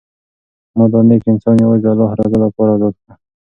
ما دا نېک انسان یوازې د الله د رضا لپاره ازاد کړ.